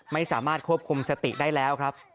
ไม่สามารถควบคุมสติได้แล้วครับ